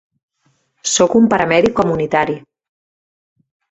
Sóc un paramèdic comunitari.